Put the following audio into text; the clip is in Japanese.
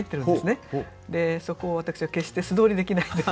でそこを私は決して素通りできない。